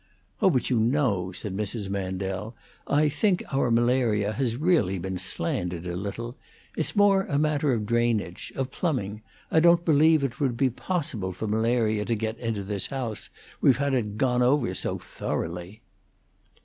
"Oh, but you know," said Mrs. Mandel, "I think our malaria has really been slandered a little. It's more a matter of drainage of plumbing. I don't believe it would be possible for malaria to get into this house, we've had it gone over so thoroughly."